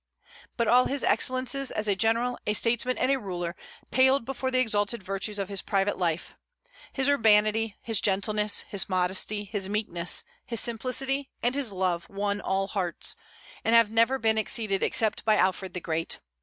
But all his excellences as a general, a statesman, and a ruler paled before the exalted virtues of his private life. His urbanity, his gentleness, his modesty, his meekness, his simplicity, and his love won all hearts, and have never been exceeded except by Alfred the Great.